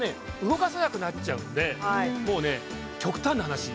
動かさなくなっちゃうんでもうね極端な話